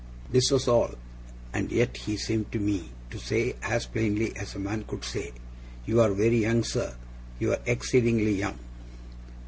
This was all, and yet he seemed to me to say as plainly as a man could say: 'You are very young, sir; you are exceedingly young.